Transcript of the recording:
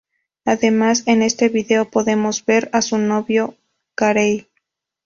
Además, en este vídeo podemos ver a su novio Carey.